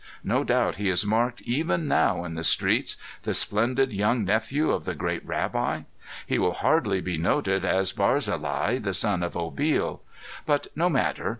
No doubt he is marked even now in the streets the splendid young nephew of the great rabbi. He will hardly be noted as Barzillai, the son of Obil. But no matter.